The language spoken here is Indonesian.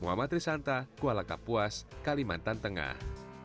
muhammad risanta kuala kapuas kalimantan tengah